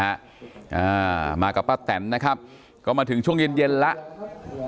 อ่ามากับป้าแตนนะครับก็มาถึงช่วงเย็นเย็นแล้ว